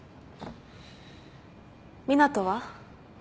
湊斗は？